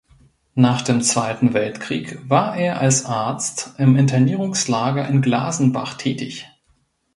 Nach dem Zweiten Weltkrieg war er als Arzt im Internierungslager in Glasenbach tätig.